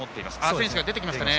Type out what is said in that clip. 選手が出てきました。